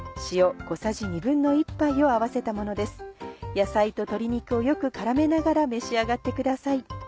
野菜と鶏肉をよく絡めながら召し上がってください。